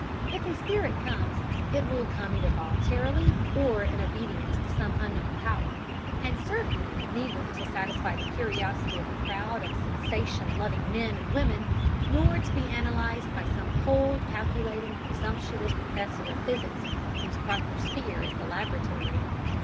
If a spirit comes, it will come either voluntarily, or in obedience to some Unknown Power and certainly neither to satisfy the curiosity of a crowd of sensation loving men and women, nor to be analysed by some cold, calculating, presumptuous Professor of Physics whose proper sphere is the laboratory.